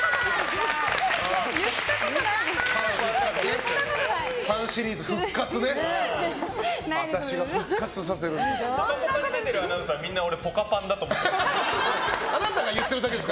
言ったことないです。